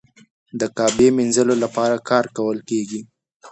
د کعبې مینځلو لپاره کارول کیږي.